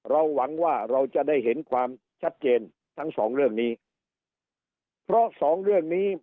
หวังว่าเราจะได้เห็นความชัดเจนทั้งสองเรื่องนี้เพราะสองเรื่องนี้